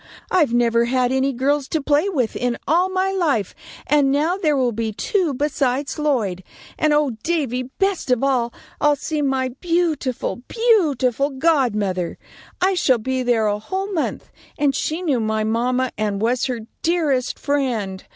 I've never had any girls to play with in all my life, and now there will be two besides Lloyd; and, oh, Davy, best of all, I'll see my beautiful, beautiful godmother! I shall be there a whole month, and she knew my mamma and was her dearest friend.